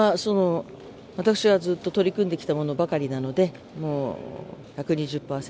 私がずっと取り組んできたものばかりなので１２０％